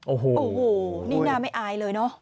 โอ้โหนี่น่าไม่อายเลยเนอะ